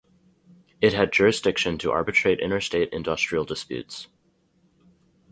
It had jurisdiction to arbitrate interstate industrial disputes.